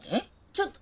ちょっと。